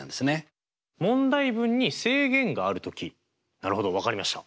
なるほど分かりました。